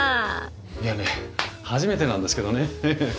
いやね初めてなんですけどね。